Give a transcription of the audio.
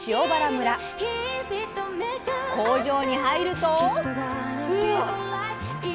工場に入ると。